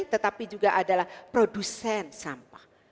tetapi juga adalah produsen sampah